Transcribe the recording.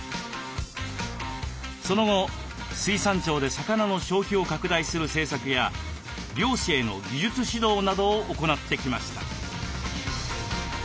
その後水産庁で魚の消費を拡大する政策や漁師への技術指導などを行ってきました。